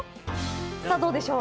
さあ、どうでしょう。